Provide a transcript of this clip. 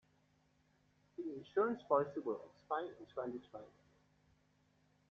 The insurance policy will expire in twenty-twenty.